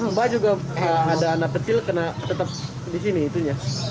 mbak juga ada anak kecil kena tetap di sini itunya